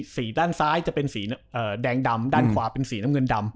สีด้านซ้ายจะเป็นสีแดงดำด้านขวาเป็นสีน้ำเงินดำ